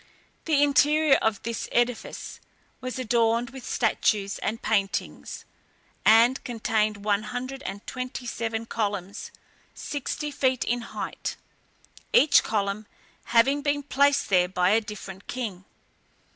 The interior of this edifice was adorned with statues and paintings, and contained one hundred and twenty seven columns, sixty feet in height, each column having been placed there by a different king.